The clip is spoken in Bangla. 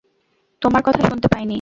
তোমার কথা শুনতে পাইনি।